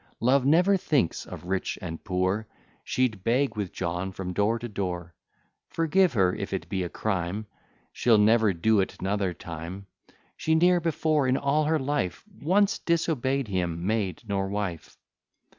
Love never thinks of rich and poor; She'd beg with John from door to door. Forgive her, if it be a crime; She'll never do't another time. She ne'er before in all her life Once disobey'd him, maid nor wife."